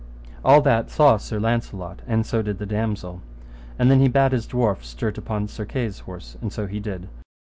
All that saw Sir Launcelot, and so did the damosel. And then he bade his dwarf stert upon Sir Kay's horse, and so he did.